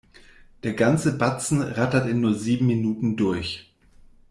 Der ganze Batzen rattert in nur sieben Minuten durch.